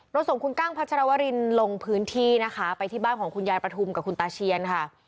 ส่งคุณกั้งพัชรวรินลงพื้นที่นะคะไปที่บ้านของคุณยายประทุมกับคุณตาเชียนค่ะ